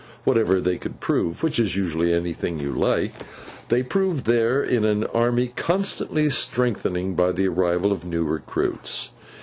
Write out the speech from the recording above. Whatever they could prove (which is usually anything you like), they proved there, in an army constantly strengthening by the arrival of new recruits.